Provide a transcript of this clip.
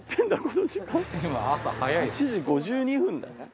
８時５２分だよ。